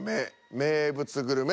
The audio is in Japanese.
「名物グルメ」。